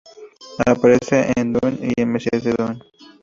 Aparece en "Dune" y "El Mesías de Dune".